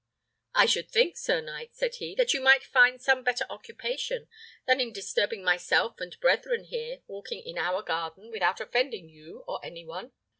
"I should think, sir knight," said he, "that you might find some better occupation than in disturbing myself and brethren here, walking in our garden, without offending you or any one."